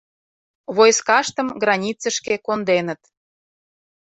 Войскаштым границышке конденыт.